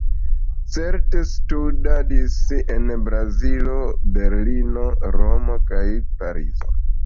Cart studadis en Bazelo, Berlino, Romo kaj Parizo.